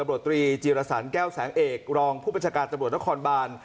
ตำรวจตรีจีรสันแก้วแสงเอกรองผู้บัญชาการตำรวจนครบาน